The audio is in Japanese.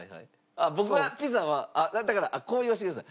僕はピザはあっだからこう言わせてください。